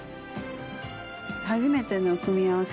初めての組み合わせ。